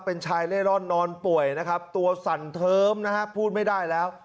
เป็นชายเล่ร่อนนอนป่วยนะครับตัวสั่นเทิมนะฮะพูดไม่ได้แล้ว